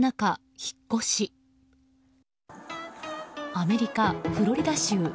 アメリカ・フロリダ州。